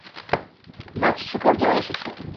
মাতসুকোর জ্বর এসেছে।